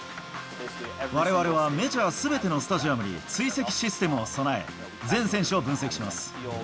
われわれはメジャーすべてのスタジアムに追跡システムを備え、全選手を分析します。